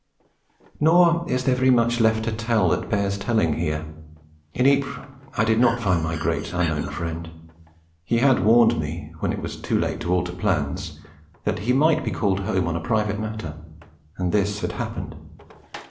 Nor is there very much left to tell that bears telling here. In Ypres I did not find my great unknown friend; he had warned me, when it was too late to alter plans, that he might be called home on a private matter; and this had happened.